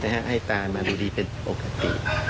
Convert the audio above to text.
ให้ตามาดูดีเป็นปกติ